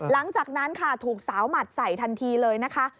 หลังจากนั้นค่ะถูกสาวหมัดใส่ทันทีเลยนะคะ